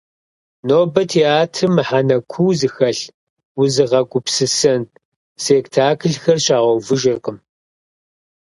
Нобэ театрым мыхьэнэ куу зыхэлъ, узыгъэгупсысэн спектакльхэр щагъэувыжыркъым.